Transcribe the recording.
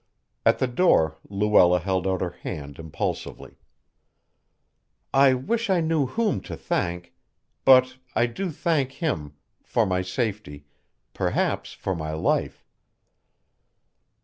At the door Luella held out her hand impulsively. "I wish I knew whom to thank but I do thank him for my safety perhaps for my life.